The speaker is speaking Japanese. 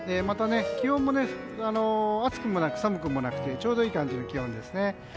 また、気温も暑くもなく寒くもなくてちょうどいい感じの気温ですね。